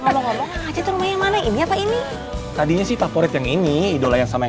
ngomong ngomong aja tuh rumah yang mana ini apa ini tadinya sih favorit yang ini idola yang sama